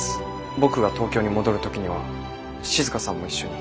僕が東京に戻る時には静さんも一緒に。